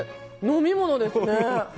飲み物ですね。